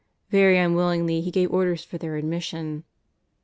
Very unwillingly he gave orders for their ad* mission.